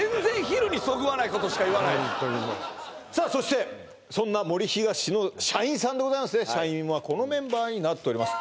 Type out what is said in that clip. ことしか言わないさあそしてそんな森東の社員さんでございますね社員はこのメンバーになっております